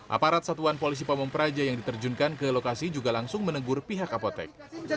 aparat satuan polisi pamung praja yang diterjunkan ke lokasi juga langsung menegur pihak apotek